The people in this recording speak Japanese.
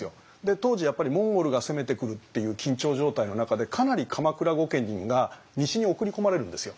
当時やっぱりモンゴルが攻めてくるっていう緊張状態の中でかなり鎌倉御家人が西に送り込まれるんですよ。